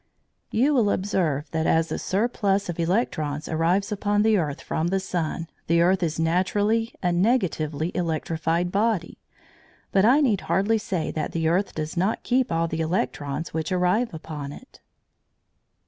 You will observe that as a surplus of electrons arrives upon the earth from the sun, the earth is naturally a negatively electrified body, but I need hardly say that the earth does not keep all the electrons which arrive upon it.